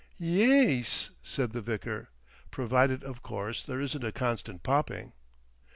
"Ye ees," said the vicar. "Provided, of course, there isn't a constant popping."...